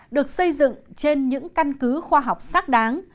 được xây dựng trên những căn cứ khoa học xác đáng